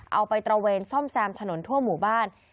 เอาไปตระเวนซ่อมแซมถนนทั่วหมู่บ้าน